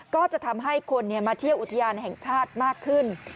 ก็จะทำให้คนมาเที่ยวอุทยานแห่งชาติมากขึ้น